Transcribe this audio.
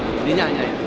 intinya hanya itu